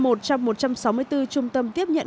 một trong một trăm sáu mươi bốn trung tâm tiếp nhận